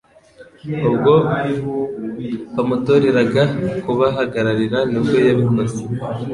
ubwo bamutoreraga kubahagararira nibwo yabikoze